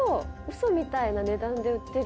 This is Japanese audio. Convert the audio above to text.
嘘みたいな値段で売ってる」